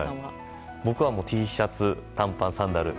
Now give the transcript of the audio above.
僕はＴシャツ、短パンサンダル。